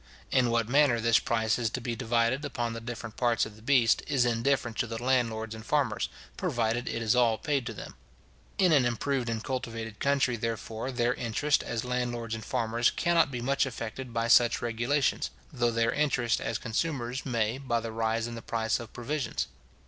In what manner this price is to be divided upon the different parts of the beast, is indifferent to the landlords and farmers, provided it is all paid to them. In an improved and cultivated country, therefore, their interest as landlords and farmers cannot be much affected by such regulations, though their interest as consumers may, by the rise in the price of provisions.